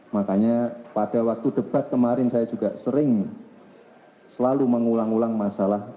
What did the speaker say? makanya pada waktu debat kemarin saya juga sering selalu mengulang ulang masalah